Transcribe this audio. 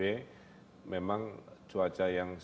karena memang cuaca yang sangat